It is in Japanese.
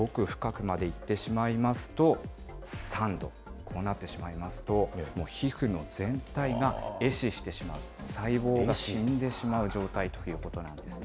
さらに奥深くまでいってしまいますと３度、こうなってしまいますと、もう皮膚全体がえ死してしまう、細胞が死んでしまう状態っていうことなんですね。